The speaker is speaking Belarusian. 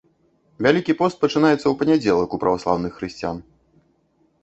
Вялікі пост пачынаецца ў панядзелак у праваслаўных хрысціян.